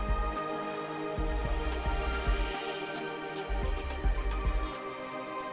keseimbangan yang berkompetensi organisasi turiskis